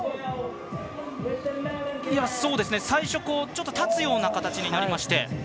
最初、ちょっと立つような形になりまして。